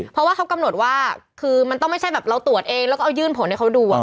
เพราะว่าเขากำหนดว่าคือมันต้องไม่ใช่แบบเราตรวจเองแล้วก็เอายื่นผลให้เขาดู